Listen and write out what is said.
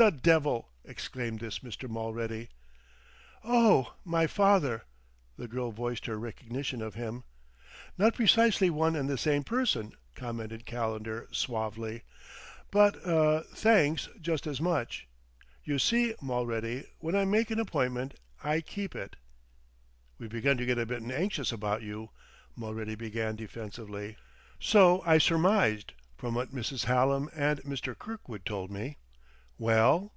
"The devil!" exclaimed this Mr. Mulready. "Oh! My father!" the girl voiced her recognition of him. "Not precisely one and the same person," commented Calendar suavely. "But er thanks, just as much.... You see, Mulready, when I make an appointment, I keep it." "We'd begun to get a bit anxious about you " Mulready began defensively. "So I surmised, from what Mrs. Hallam and Mr. Kirkwood told me.... Well?"